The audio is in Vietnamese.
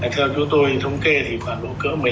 theo chúng tôi thống kê thì khoảng độ cỡ một mươi năm